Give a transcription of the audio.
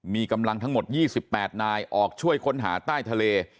มีกำลังทั้งหมด๒๘นายออกช่วยค้นหาใต้ทะเล